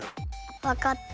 わかった。